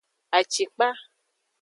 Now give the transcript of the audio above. Acikpa.